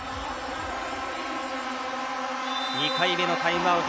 ２回目のタイムアウト